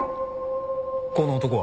この男は？